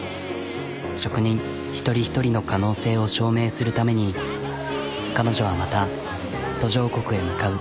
職人一人一人の可能性を証明するために彼女はまた途上国へ向かう。